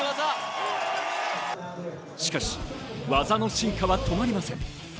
技の進化は止まりません。